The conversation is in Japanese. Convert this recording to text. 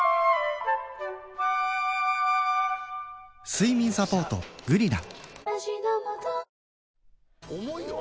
睡眠サポート「グリナ」